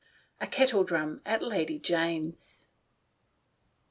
A KETTLEDRUM AT LADY JANETS.